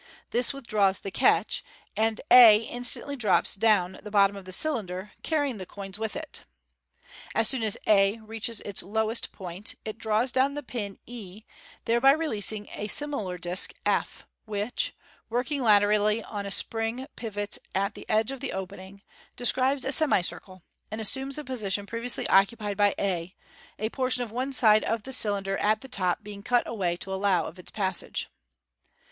This withdraws the catch, and a instantly drops down to the bottom of the cylinder, carrying the coins with it. As soon as a reaches its low est point, it draws down the pin e, thereby releasing a simi» lar disc f, which, working laterally on a spiing pivot at the edge of the opening, describes a semicircle, and asstmes the position previously occupied by a, a portion of one side of the cy lin der, at the top, being cut away to allow of its passage.